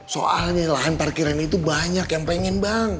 soalnya lahan parkiran itu banyak yang pengen bang